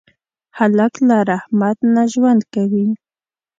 هلک له رحمت نه ژوند کوي.